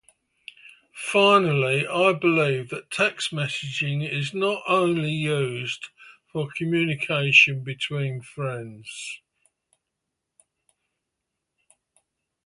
Finally, I believe that text messaging is not only used for communication between friends.